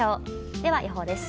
では、予報です。